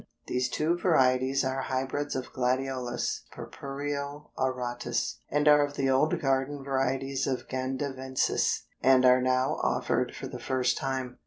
"These two varieties are Hybrids of gladiolus purpureo auratus, and are of the old garden varieties of Gandavensis, and are now offered for the first time.